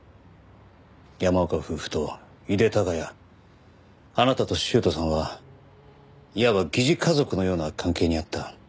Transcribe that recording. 山岡夫婦と井手孝也あなたと修斗さんはいわば疑似家族のような関係にあった。